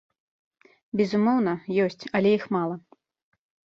Безумоўна, ёсць, але іх мала.